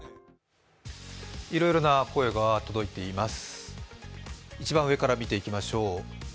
いろいろな声が届いています。